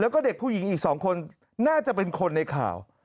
แล้วก็เด็กผู้หญิงอีก๒คนน่าจะเป็นคนในข่าว